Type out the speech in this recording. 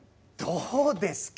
どうですか？